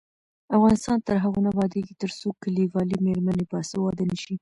افغانستان تر هغو نه ابادیږي، ترڅو کلیوالې میرمنې باسواده نشي.